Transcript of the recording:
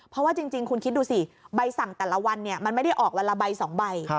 เพราะว่าจริงคุณคิดดูสิใบสั่งแต่ละวันมันไม่ได้ออกวันละใบ๒ใบ